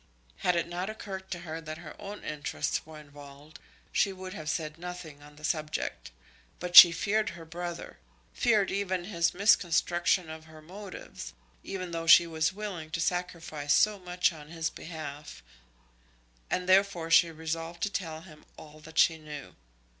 Had it not occurred to her that her own interests were involved she would have said nothing on the subject; but she feared her brother, feared even his misconstruction of her motives, even though she was willing to sacrifice so much on his behalf, and therefore she resolved to tell him all that she knew.